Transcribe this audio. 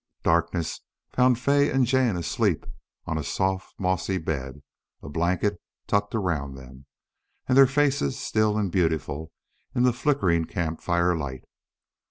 Darkness found Fay and Jane asleep on a soft mossy bed, a blanket tucked around them, and their faces still and beautiful in the flickering camp fire light.